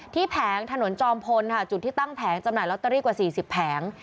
แผงถนนจอมพลค่ะจุดที่ตั้งแผงจำหน่ายลอตเตอรี่กว่า๔๐แผง